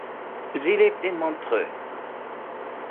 Sie lebt in Montreux.